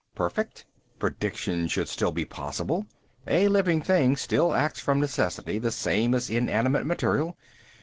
"Perfect? Prediction should still be possible. A living thing still acts from necessity, the same as inanimate material.